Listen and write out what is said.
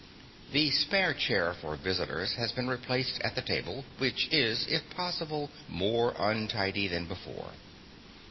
The spare chair for visitors has been replaced at the table, which is, if possible, more untidy than before.